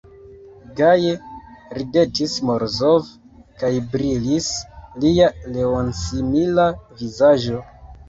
Gaje ridetis Morozov, kaj brilis lia leonsimila vizaĝo.